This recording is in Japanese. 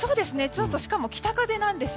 しかも北風なんです。